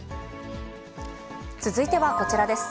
続いてはこちらです。